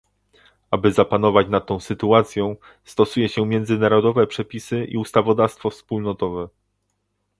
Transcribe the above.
Aby zapanować nad tą sytuacją, stosuje się międzynarodowe przepisy i ustawodawstwo wspólnotowe